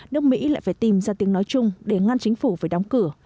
nước mỹ lại phải tìm ra tiếng nói chung để ngăn chính phủ phải đóng cửa